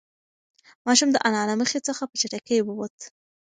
ماشوم د انا له مخې څخه په چټکۍ ووت.